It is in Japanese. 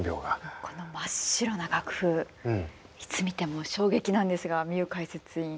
この真っ白な楽譜いつ見ても衝撃なんですがミユかいせついん。